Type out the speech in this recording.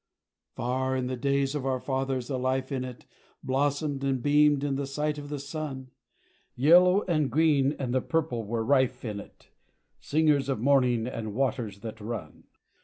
_ Far in the days of our fathers, the life in it Blossomed and beamed in the sight of the sun: Yellow and green and the purple were rife in it, Singers of morning and waters that run.